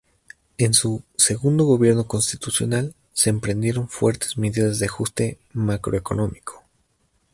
En su segundo gobierno constitucional, se emprendieron fuertes medidas de ajuste macroeconómico.